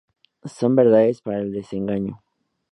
Son verdades para el desengaño.